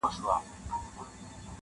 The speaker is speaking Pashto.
له میاشتونو له کلونو-